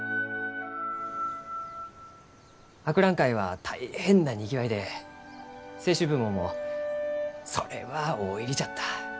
博覧会は大変なにぎわいで清酒部門もそれは大入りじゃった。